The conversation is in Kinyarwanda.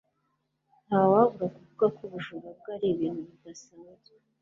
Ntawabura kuvuga ko ubujura bwari ibintu bidasanzwe.